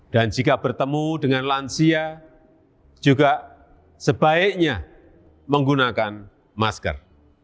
dan jika bertemu dengan lansia juga sebaiknya menggunakan masker